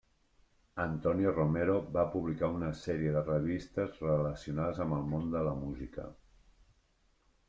Antonio Romero va publicar una sèrie de revistes relacionades amb el món de la música.